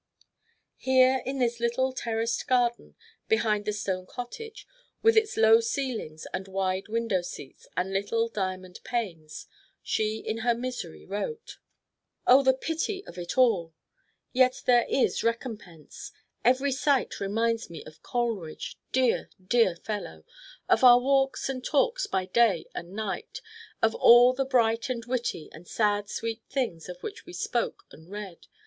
Here in this little, terraced garden, behind the stone cottage with its low ceilings and wide window seats and little, diamond panes, she in her misery wrote: "Oh, the pity of it all! Yet there is recompense; every sight reminds me of Coleridge, dear, dear fellow; of our walks and talks by day and night; of all the bright and witty, and sad sweet things of which we spoke and read.